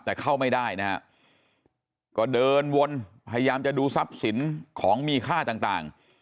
แต่เข้าไม่ได้นะฮะก็เดินวนพยายามจะดูทรัพย์สินของมีค่าต่าง